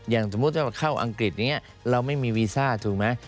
อย่างสมมติว่าเข้าอังกฤษเราไม่มีวีซ่าถูกไหม